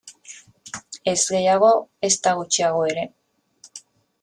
Ez gehiago, ezta gutxiago ere.